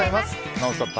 「ノンストップ！」